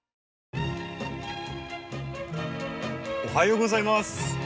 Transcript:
おはようございます。